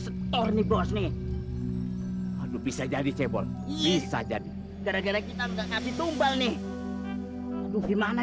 setor nih bos nih aduh bisa jadi cebon bisa jadi gara gara kita udah kasih tumbal nih aduh gimana